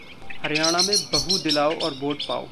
हरियाणा में बहू दिलाओ और वोट पाओ